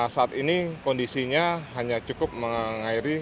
saat ini kondisinya hanya cukup mengairi